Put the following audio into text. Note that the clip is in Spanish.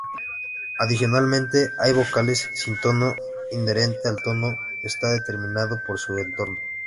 Adicionalmente hay vocales sin tono inherente, el tono está determinado por su entorno.